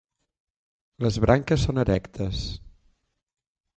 Les branques són erectes.